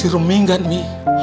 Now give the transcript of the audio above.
rum ingat umi